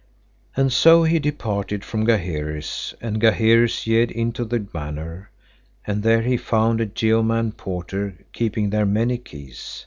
And so he departed from Gaheris, and Gaheris yede in to the manor, and there he found a yeoman porter keeping there many keys.